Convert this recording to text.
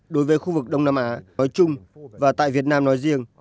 đối với khu vực đông nam á nói chung và tại việt nam nói riêng